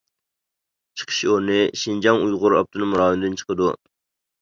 چىقىش ئورنى شىنجاڭ ئۇيغۇر ئاپتونوم رايونىدىن چىقىدۇ.